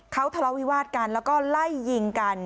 เขาทะเลาวิวาสกันแล้วก็ไล่ยิงกัน